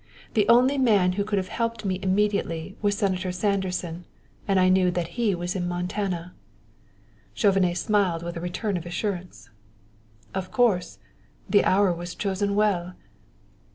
The only man who could have helped me immediately was Senator Sanderson, and I knew that he was in Montana." Chauvenet smiled with a return of assurance. "Of course. The hour was chosen well!"